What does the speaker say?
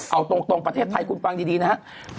เอาตรงประเทศไทยคุณฟังดีนะครับ